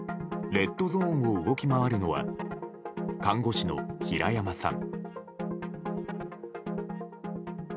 レッドゾーンを動き回るのは看護師の平山さん。